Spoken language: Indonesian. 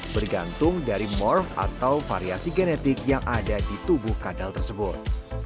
bergantung dari morh atau variasi genetik yang ada di tubuh kadal tersebut